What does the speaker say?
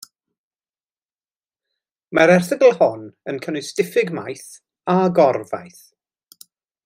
Mae'r erthygl hon yn cynnwys diffyg maeth a gor faeth.